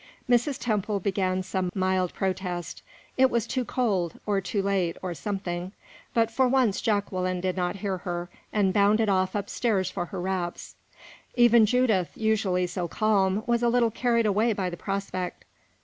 Mrs. Temple began some mild protest: it was too cold, or too late, or something; but for once Jacqueline did not hear her, and bounded off up stairs for her wraps. Even Judith, usually so calm, was a little carried away by the prospect.